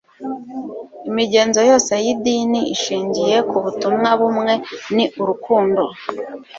imigenzo yose y'idini ishingiye ku butumwa bumwe, ni urukundo